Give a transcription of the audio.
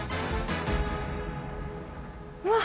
うわっ。